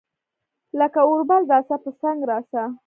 لکه اوربل راسه ، پۀ څنګ راسه